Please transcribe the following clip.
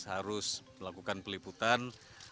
harus melakukan peliputan